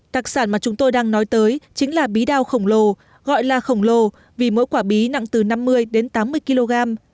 đặc sản mà chúng tôi đang nói tới chính là bí đao khổng lồ gọi là khổng lồ vì mỗi quả bí nặng từ năm mươi đến tám mươi kg